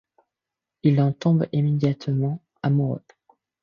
Il en tombe immédiatement amoureux.